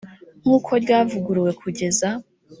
nk uko ryavuguruwe kugeza